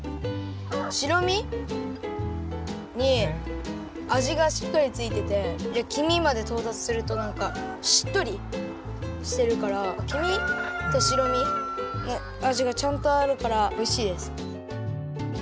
しろみにあじがしっかりついててきみまでとうたつするとなんかしっとりしてるからきみとしろみのあじがちゃんとあるからおいしいです。